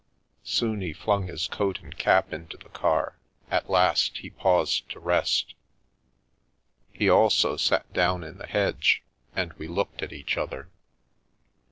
Soon he flung his coat and cap into the car, at last he paused to rest. He also sat down in the hedge, and we looked at each other.